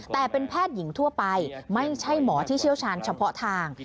แต่เป็นแพทย์หญิงทั่วไปไม่ใช่หมอที่เชี่ยวชาญเฉพาะทาง